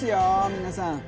皆さん